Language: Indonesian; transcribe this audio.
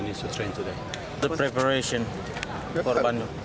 dia harus berlatih hari ini